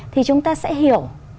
thì chúng ta sẽ hiểu